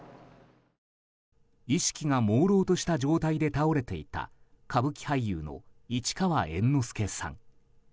意識がもうろうとした状態で倒れていた歌舞伎俳優の市川猿之助さん。